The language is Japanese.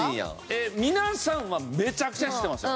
えー皆さんはめちゃくちゃ知ってますよ。